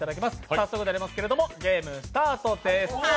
早速ではありますけれども、ゲームスタートです。